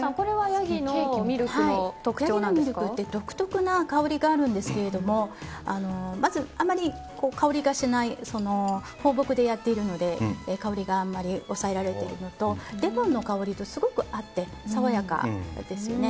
ヤギのミルクって独特な香りがあるんですけどまず、放牧でやっているので香りが抑えられているのとレモンの香りとすごく合って爽やかですよね。